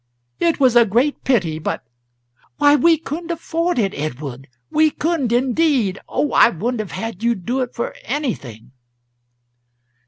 "It was a great pity, but Why, we couldn't afford it, Edward we couldn't indeed. Oh, I wouldn't have had you do it for anything!"